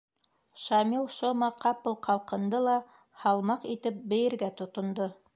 Шамил-Шома ҡапыл ҡалҡынды ла һалмаҡ итеп бейергә тотондо.